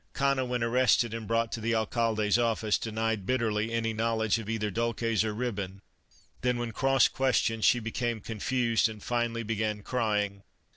Cana when arrested and brought to the Alcalde's of fice, denied bitterly any knowledge of either dulces or ribbon, then when cross questioned she became confused and finally began crying